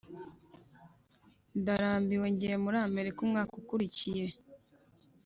ndarambiwe ngiye muri amerika umwaka ukurikiye